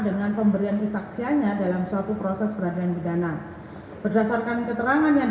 dengan pemberian kesaksiannya dalam suatu proses peradilan pidana berdasarkan keterangan yang